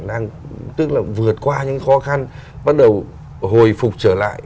đang tức là vượt qua những khó khăn bắt đầu hồi phục trở lại